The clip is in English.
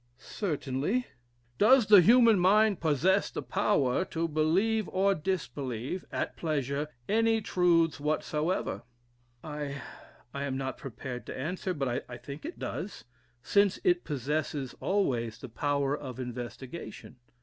"Certainly." "Does the human mind possess the power to believe or disbelieve, at pleasure, any truths whatsoever." "I am not prepared to answer: but I think it does, since it possesses always the power of investigation."